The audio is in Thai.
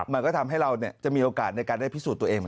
มันก็ทำให้เราจะมีโอกาสในการได้พิสูจน์ตัวเอง